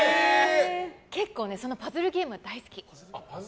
結構、パズルゲームが大好き。